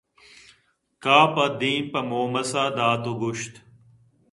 کافءَ دیم پہ مومس ءَدات ءُگوٛشت